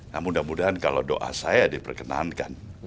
nah mudah mudahan kalau doa saya diperkenankan